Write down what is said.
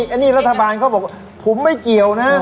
อันนี้รัฐบาลเขาบอกผมไม่เกี่ยวนะ